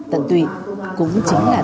tận tụy cũng chính là